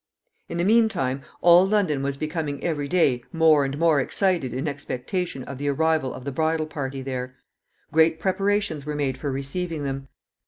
In the mean time, all London was becoming every day more and more excited in expectation of the arrival of the bridal party there. Great preparations were made for receiving them.